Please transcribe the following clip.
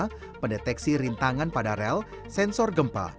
pembedahan kereta pendeteksi rintangan pada rel sensor gempa